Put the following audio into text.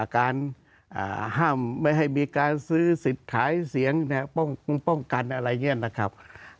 การห้ามไม่ให้มีการซื้อสิทธิ์ขายเสียงป้องกันอะไรอย่างนี้นะครับ